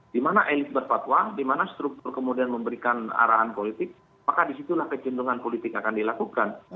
di mana elit berfatwa di mana struktur kemudian memberikan arahan politik maka disitulah kecenderungan politik akan dilakukan